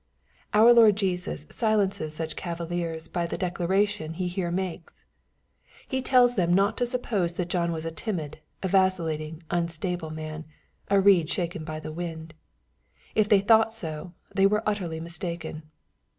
Our Lord Jesus silences such cavillers by the declaration he here makes. He tells them not to suppose that John was a timid , vacillating, unstable man, " a reed shaken by the wind." If they thought so, they were utterly mistaken.